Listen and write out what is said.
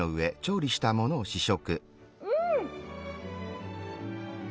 うん！